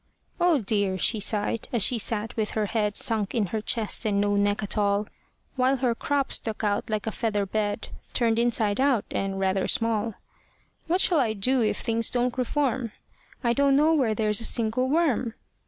"Oh, dear!" she sighed, as she sat with her head Sunk in her chest, and no neck at all, While her crop stuck out like a feather bed Turned inside out, and rather small; "What shall I do if things don't reform? I don't know where there's a single worm.